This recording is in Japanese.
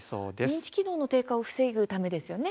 認知機能の低下を防ぐためですよね。